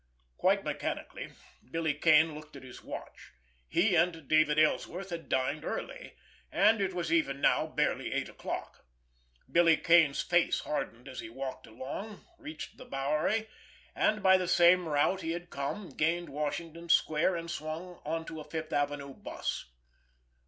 Quite mechanically Billy Kane looked at his watch. He and David Ellsworth had dined early, and it was even now barely eight o'clock. Billy Kane's face hardened, as he walked along, reached the Bowery, and, by the same route he had come, gained Washington Square, and swung onto a Fifth Avenue bus.